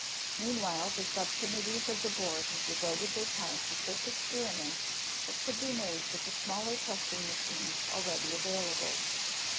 Meanwhile the subcommittees of the board have devoted their time to such experiments as could be made with the smaller testing machines already available.